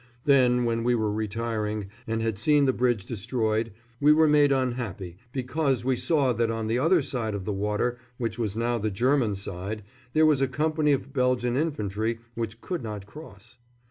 Then, when we were retiring, and had seen the bridge destroyed, we were made unhappy because we saw that on the other side of the water, which was now the German side, there was a company of Belgian infantry, which could not cross.